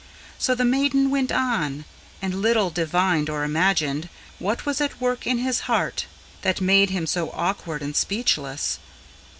So the maiden went on, and little divined or imagined What was at work in his heart, that made him so awkward and speechless.